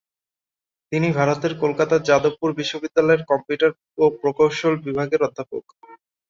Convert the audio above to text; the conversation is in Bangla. তিনি ভারতের কলকাতার যাদবপুর বিশ্ববিদ্যালয়ের কম্পিউটার বিজ্ঞান ও প্রকৌশল বিভাগের অধ্যাপক।